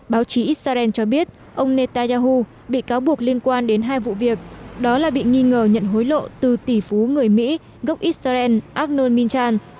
báo chí israel cho biết ông netanyahu bị cáo buộc liên quan đến hai vụ việc đó là bị nghi ngờ nhận hối lộ từ tỷ phú người mỹ gốc israel agnom minchan